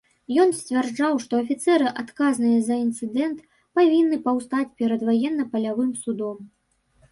Ён сцвярджаў, што афіцэры, адказныя за інцыдэнт павінны паўстаць перад ваенна-палявым судом.